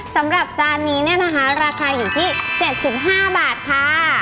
สำหรับจานนี้เนี่ยนะคะราคาอยู่ที่๗๕บาทค่ะ